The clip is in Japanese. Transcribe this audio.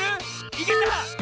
いけた！